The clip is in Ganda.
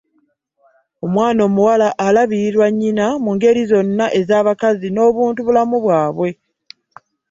Omwana omuwala alabirirwa nnyina mu ngeri zonna ez’abakazi n’obuntubulamu bwabwe.